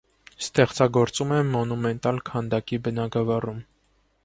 Ստեղծագործում է մոնումենտալ քանդակի բնագավառում։